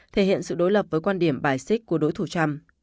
thể hiện sự đối lập với quan điểm bài xích của đối thủ trump